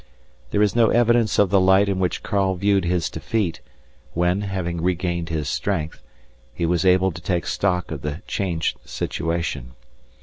_ _There is no evidence of the light in which Karl viewed his defeat, when, having regained his strength, he was able to take stock of the changed situation.